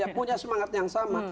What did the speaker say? punya semangat yang sama